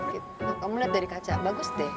kalau kamu lihat dari kaca bagus deh